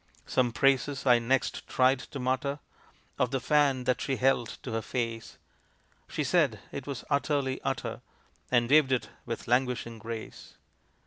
Some praises I next tried to mutter Of the fan that she held to her face; She said it was "utterly utter," And waved it with languishing grace.